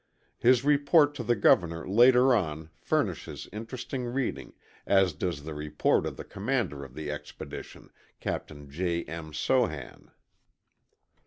His report to the Governor later on furnishes interesting reading, as does the report of the commander of the expedition, Captain J. M. Sohan.